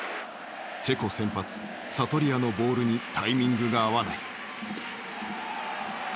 チェコ先発サトリアのボールにタイミングが合わない。